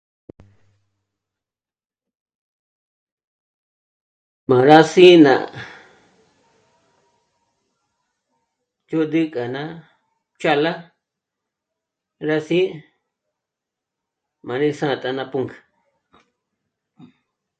M'â'a rá sí'na ndzhôd'i k'a ná ch'ála rá sí'i m'a rí sǎ't'a ná pǔnk'ü